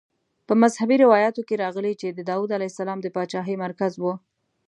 په مذهبي روایاتو کې راغلي چې د داود علیه السلام د پاچاهۍ مرکز وه.